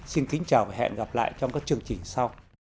xin kính chào và hẹn gặp lại trong các chương trình sau